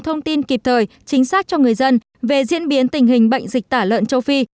thông tin kịp thời chính xác cho người dân về diễn biến tình hình bệnh dịch tả lợn châu phi